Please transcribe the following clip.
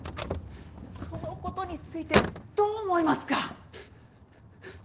そのことについてどう思いますか？